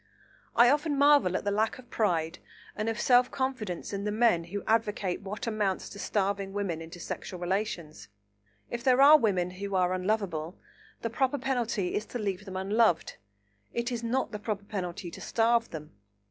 I often marvel at the lack of pride and of self confidence in the men who advocate what amounts to starving women into sexual relations. If there are women who are unlovable, the proper penalty is to leave them unloved; it is not the proper penalty to starve them.